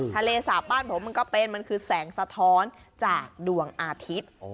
ทะเลสาบบ้านผมมันก็เป็นมันคือแสงสะท้อนจากดวงอาทิตย์